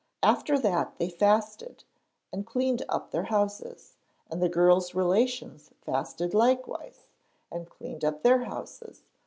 After that they fasted and cleaned up their houses, and the girl's relations fasted likewise and cleaned up their houses.